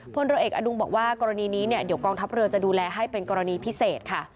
พลเรือเอกอดุงบอกว่ากรณีนี้เนี่ยเดี๋ยวกองทัพเรือจะดูแลให้เป็นกรณีพิเศษค่ะ